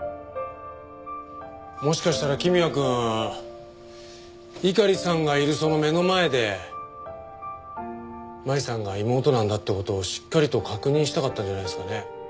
もしかしたら公也くん猪狩さんがいるその目の前で舞さんが妹なんだって事をしっかりと確認したかったんじゃないですかね。